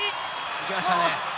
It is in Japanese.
いきましたね。